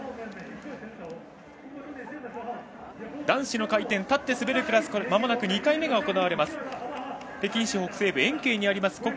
男子の回転立って滑るクラスまもなく２回目が行われます。